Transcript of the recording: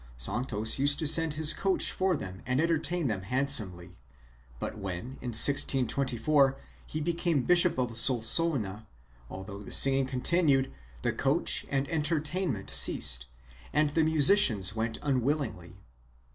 Santos used to send his coach for them and entertain them handsomely, but when, in 1624, he became Bishop of Solsona, although the singing continued, the coach and enter tainment ceased and the musicians went unwillingly.